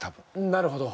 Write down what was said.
なるほど。